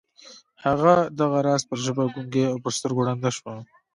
هغه دغه راز پر ژبه ګونګۍ او پر سترګو ړنده شوه